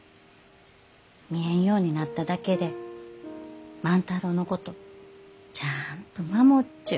見えんようになっただけで万太郎のことちゃあんと守っちゅう。